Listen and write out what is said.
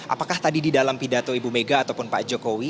apakah tadi di dalam pidato ibu mega ataupun pak jokowi